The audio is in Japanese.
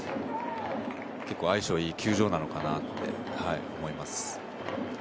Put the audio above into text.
結構、相性がいい球場なのかなって思います。